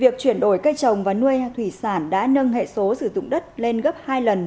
việc chuyển đổi cây trồng và nuôi thủy sản đã nâng hệ số sử dụng đất lên gấp hai lần